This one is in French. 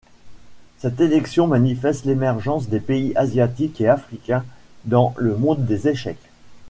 Cette élection manifeste l'émergence des pays asiatiques et africains dans le monde des échecs.